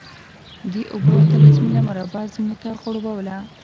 دې اوبو اتلس میله مربع ځمکه خړوبوله.